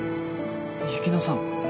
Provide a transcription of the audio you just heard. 雪乃さん。